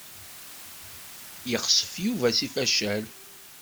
Yexsef Yuba seg facal.